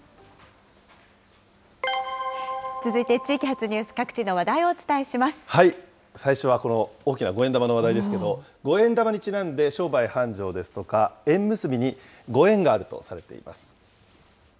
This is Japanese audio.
続いて地域発ニュース、各地最初はこの大きな五円玉の話題ですけど、五円玉にちなんで商売繁盛ですとか、縁結びにご縁があるとされています。